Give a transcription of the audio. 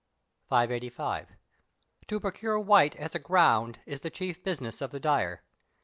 585. To procure white as a ground is the chief business of the dyer.